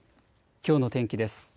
きょうの天気です。